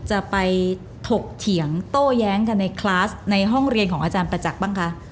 จะไปถกเถียงโต้แย้งกันในคลาสในห้องเรียนของอาจารย์ประจักษ์บ้างคะ